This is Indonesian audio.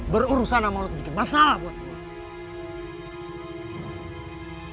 berurusan sama aku bikin masalah buat kamu